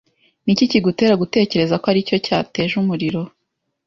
Niki kigutera gutekereza ko aricyo cyateje umuriro?